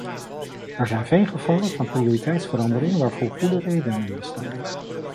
Er zijn veel gevallen van prioriteitsverandering waarvoor goede redenen bestaan.